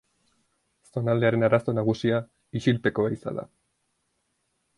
Zonaldearen arazo nagusia isilpeko ehiza da.